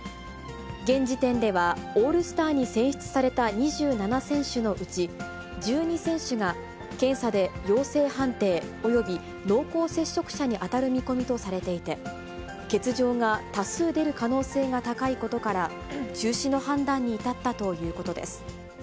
現時点では、オールスターに選出された２７選手のうち、１２選手が検査で陽性判定、および濃厚接触者に当たる見込みとされていて、欠場が多数出る可能性が高いことから、中止の判断に至ったということです。